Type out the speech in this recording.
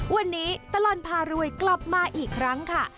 วันนี้ตลอดพารวยกลับมาอีกครั้งค่ะ